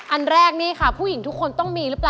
อันแรกนี่ค่ะผู้หญิงทุกคนต้องมีหรือเปล่า